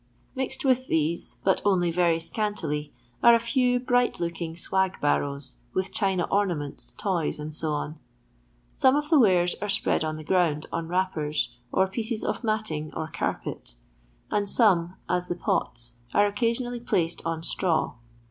Mixed with these, but only very scantily, are a few bright looking swag barrows, with china ornaments, toys, &c. Some of the wares are spread on the ground on wrappers, or pieces of matting or carpet ; and some, as the poU, are occasionally placed on straw.